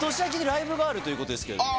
があるということですけど。